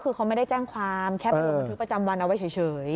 คือเขาไม่ได้แจ้งความแค่ไปลงบันทึกประจำวันเอาไว้เฉย